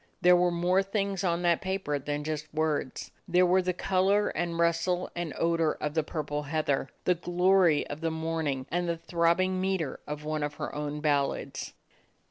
There were more things on that paper than just words; 68 A DOG OF THE ETTRICK HILLS there were the color and rustle and odor of the purple heather, the glory of the morning, and the throbbing meter of one of her own ballads.